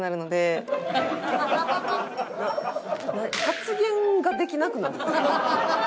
発言ができなくなるの？